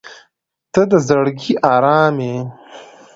• ته د زړګي ارام یې.